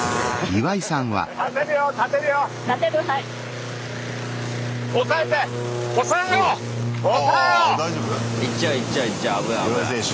岩井選手